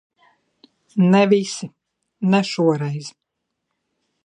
Ne visi. Ne šoreiz.